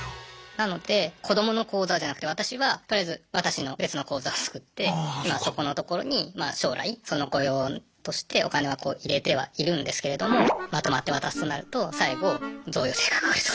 なので子どもの口座じゃなくて私はとりあえず私の別の口座を作って今そこのところにまあ将来その子用としてお金は入れてはいるんですけれどもまとまって渡すとなると最後贈与税かかると。